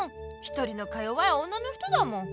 一人のか弱い女の人だもん。